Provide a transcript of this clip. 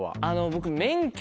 僕。